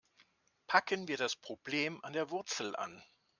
Packen wir das Problem an der Wurzel an.